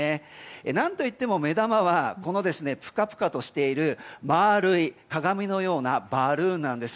何といっても目玉はこのプカプカとしている丸い鏡のようなバルーンなんです。